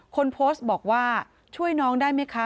คนโพสต์บอกว่าช่วยน้องได้ไหมคะ